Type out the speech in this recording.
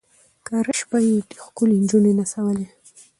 کرۍ شپه یې ښکلي نجوني نڅولې